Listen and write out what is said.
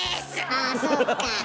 ああそうか。